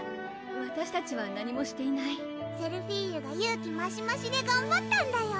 わたしたちは何もしていないセルフィーユが勇気マシマシでがんばったんだよ